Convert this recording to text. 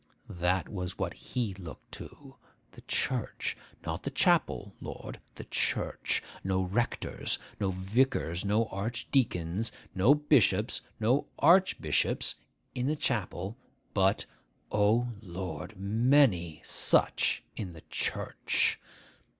That was what he looked to. The church. Not the chapel, Lord. The church. No rectors, no vicars, no archdeacons, no bishops, no archbishops, in the chapel, but, O Lord! many such in the church.